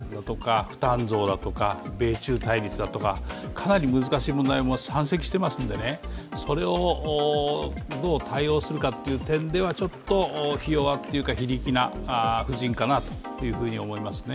あとで話が出ると思いますけど政策課題が、物価高とか負担増だとか、米中対立だとかかなり難しい問題が山積していますのでそれをどう対応するかという点ではちょっとひ弱というか、非力な布陣かなと思いますね。